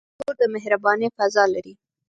کور د مهربانۍ فضاء لري.